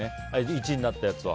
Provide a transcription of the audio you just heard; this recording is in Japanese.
１位になったやつを。